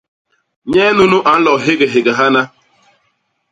Nye nunu a nlo héghék hana!